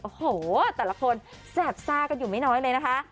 โอ้โหแต่ละคนแสบซ่ากันอยู่ไม่น้อยเลยนะคะ